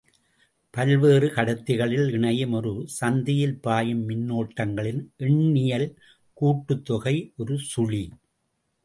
பல்வேறு கடத்திகளில் இணையும் ஒரு சந்தியில் பாயும் மின்னோட்டங்களின் எண்ணியல் கூட்டுத்தொகை ஒரு சுழி.